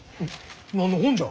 何の本じゃ？